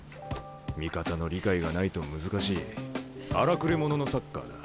味方の理解がないと難しい荒くれ者のサッカーだ。